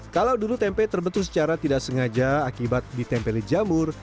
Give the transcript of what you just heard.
kalau dulu tempe terbentuk secara tidak sengaja akibat ditempeli jamur